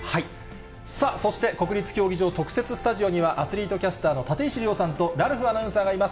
そして国立競技場特設スタジオには、アスリートキャスターの立石諒さんと、ラルフアナウンサーがいます。